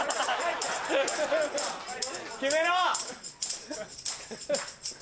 決めろ！